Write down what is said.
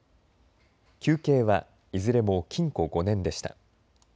求刑はいずれも禁錮５年でした。